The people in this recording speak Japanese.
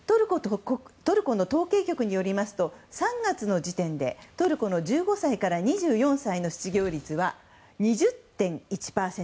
トルコの統計局によりますと３月の時点でトルコの１５歳から２４歳の失業率は２０．１％。